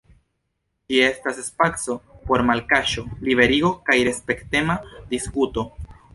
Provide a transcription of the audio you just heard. Ĝi estas spaco por malkaŝo, liberigo kaj respektema diskuto.